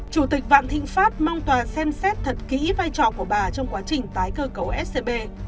chủ tịch vạn thịnh pháp mong tòa xem xét thật kỹ vai trò của bà trong quá trình tái cơ cấu scb